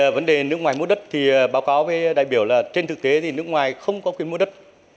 vấn đề nước ngoài mua đất thì báo cáo với đại biểu là trên thực tế thì nước ngoài không có quyền mua đất